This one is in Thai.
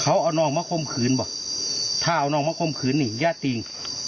เขาเอานองมาคมขืนบ่ถ้าเอานองมาคมขืนนี่ย่าติง